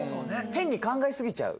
変に考えすぎちゃう。